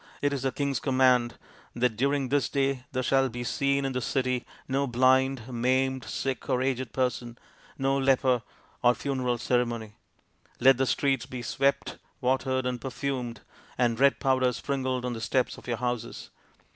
It is the king's command that during this day there shall be seen in the city no blind, maimed, sick, or aged person, no leper or funeral ceremony. Let the streets be swept, watered, and perfumed, and red powder sprinkled on the steps of your houses.